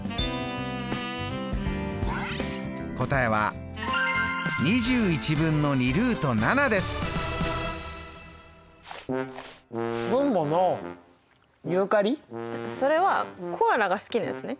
答えはそれはコアラが好きなやつね。